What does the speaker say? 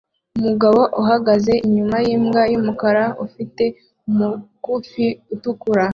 umugabo uhagaze inyuma yimbwa yumukara ufite umukufi utukura